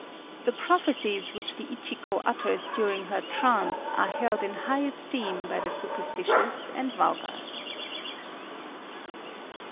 The prophecies which the Ichiko utters during her trance are held in high esteem by the superstitious and vulgar.